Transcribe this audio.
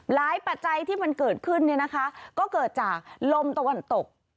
ปัจจัยที่มันเกิดขึ้นเนี่ยนะคะก็เกิดจากลมตะวันตก